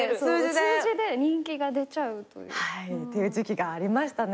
数字で人気が出ちゃうという。っていう時期がありましたね。